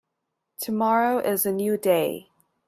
Tomorrow is a new day.